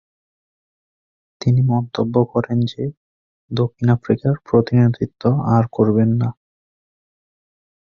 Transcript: তিনি মন্তব্য করেন যে, দক্ষিণ আফ্রিকার প্রতিনিধিত্ব আর করবেন না।